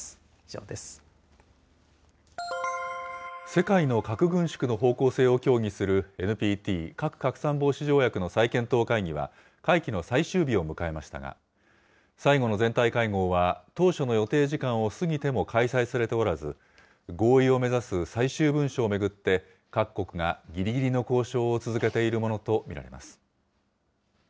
世界の核軍縮の方向性を協議するＮＰＴ・核拡散防止条約の再検討会議は、会期の最終日を迎えましたが、最後の全体会合は、当初の予定時間を過ぎても開催されておらず、合意を目指す最終文書を巡って、各国がぎりぎりの交渉を続けているものと見られます。